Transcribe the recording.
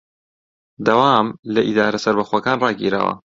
دەوام لە ئیدارە سەربەخۆکان ڕاگیراوە